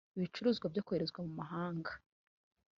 Ibicuruzwa byoherezwa mu mahanga